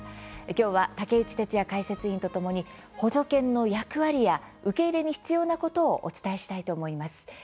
きょうは竹内哲哉解説委員とともに補助犬の役割や受け入れに必要なことをお伝えしたいと思います。